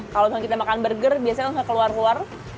kalau misalnya kita makan burger biasanya nggak keluar keluar